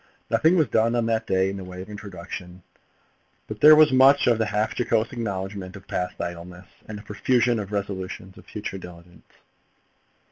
Nothing was done on that day in the way of instruction; but there was much of half jocose acknowledgement of past idleness, and a profusion of resolutions of future diligence.